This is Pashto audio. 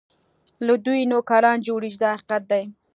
له دوی نوکران جوړېږي دا حقیقت دی.